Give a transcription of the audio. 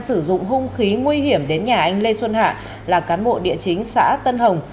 sử dụng hung khí nguy hiểm đến nhà anh lê xuân hạ là cán bộ địa chính xã tân hồng